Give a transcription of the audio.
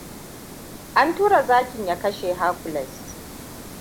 An tura zakin ya kashe Hercules.